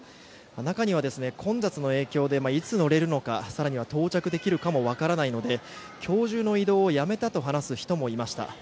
中には混雑の影響でいつ乗れるのか更に到着できるのかも分からないので今日中の移動をやめたと話す人もいました。